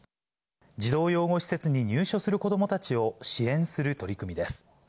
児童養護施設に入所する子どもたちを支援する取り組みです。